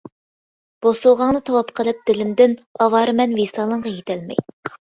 بوسۇغاڭنى تاۋاپ قىلىپ دىلىمدىن، ئاۋارىمەن ۋىسالىڭغا يېتەلمەي.